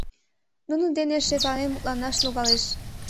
Нунын дене шекланен мутланаш логалеш.